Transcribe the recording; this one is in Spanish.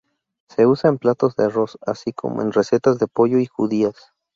Se usa en platos de arroz, así como en recetas de pollo y judías.